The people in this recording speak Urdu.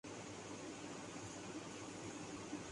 اٹلی